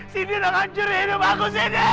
sidi ngancurin hidup aku sidi